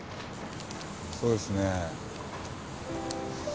そうですねえ。